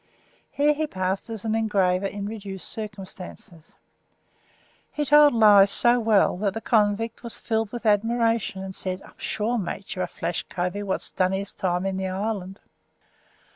Here he passed as an engraver in reduced circumstances. He told lies so well, that the convict was filled with admiration, and said, "I'm sure, mate, you're a flash covey wot's done his time in the island."